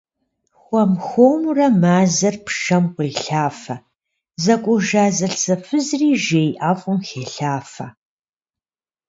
Хуэм хуэмурэ мазэр пшэм къуелъафэ, зэкӏужа зэлӏзэфызри жей ӏэфӏым хелъафэ.